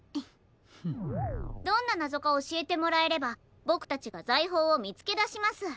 どんななぞかおしえてもらえればボクたちがざいほうをみつけだします。